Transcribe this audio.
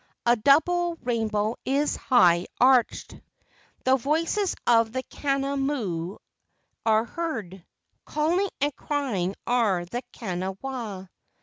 A double rainbow is high arched. The voice of the Kana mu are heard. Calling and crying are the Kana wa.